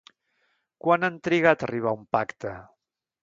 Quan han trigat a arribar a un pacte?